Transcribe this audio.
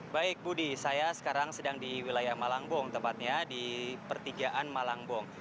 baik budi saya sekarang sedang di wilayah malangbong tepatnya di pertigaan malangbong